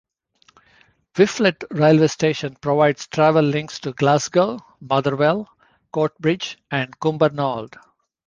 Whifflet railway station provides travel links to Glasgow, Motherwell, Coatbridge, and Cumbernauld.